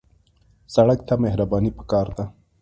سړک ته مهرباني پکار ده.